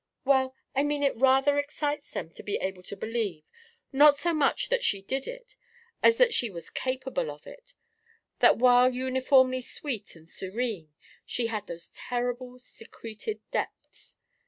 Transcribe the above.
"Well, I mean it rather excites them to be able to believe, not so much that she did it, as that she was capable of it, that while uniformly sweet and serene, she had those terrible secreted depths.